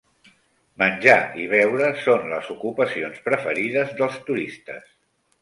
Menjar i beure són les ocupacions preferides dels turistes.